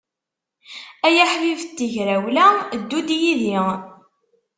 Ay aḥbib n tegrawla, ddu-d yid-i.